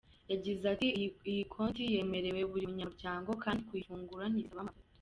Yagize ati "Iyi konti yemerewe buri munyamuryango, kandi kuyifungura ntibisaba amafoto.